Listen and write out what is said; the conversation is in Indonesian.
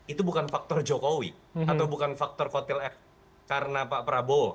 itu bukan faktor jokowi atau bukan faktor kotel efek karena pak prabowo